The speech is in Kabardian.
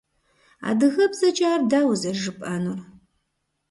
Адыгэбзэкӏэ ар дауэ зэрыжыпӏэнур?